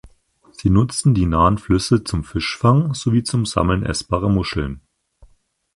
Sie nutzten die nahen Flüsse zum Fischfang sowie zum Sammeln essbarer Muscheln.